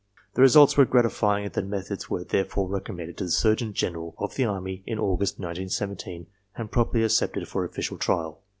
The results were gratifying and the methods were therefore reconmaended to the Surgeon General of the Army in August, 1917, and promptly accepted for official trial.